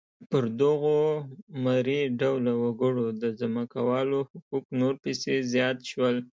پر دغو مري ډوله وګړو د ځمکوالو حقوق نور پسې زیات شول.